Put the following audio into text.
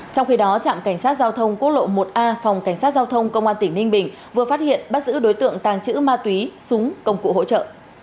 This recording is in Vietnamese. trong khi đó trạm cảnh sát giao thông quốc lộ một a phòng cảnh sát giao thông công an tỉnh ninh bình vừa phát hiện bắt giữ đối tượng tàng trữ ma túy súng công cụ hỗ trợ